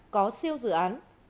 có siêu dự án